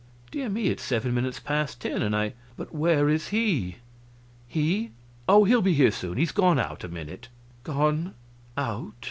Dear me! it's seven minutes past ten, and I " "But where is he?" "He? Oh, he'll be here soon; he's gone out a minute." "Gone out?"